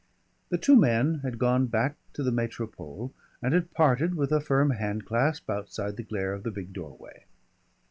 The two men had gone back to the Métropole and had parted with a firm handclasp outside the glare of the big doorway.